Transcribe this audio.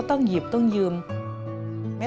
พ่อลูกรู้สึกปวดหัวมาก